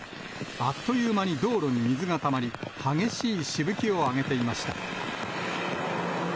あっという間に道路に水がたまり、激しいしぶきを上げていました。